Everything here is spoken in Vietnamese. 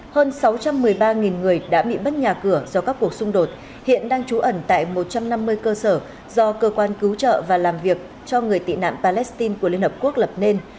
hơn sáu trăm một mươi ba người đã bị bắt nhà cửa do các cuộc xung đột hiện đang trú ẩn tại một trăm năm mươi cơ sở do cơ quan cứu trợ và làm việc cho người tị nạn palestine của liên hợp quốc lập nên